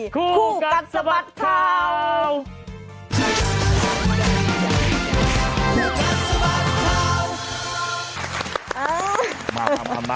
คู่กัดสะบัดข่าว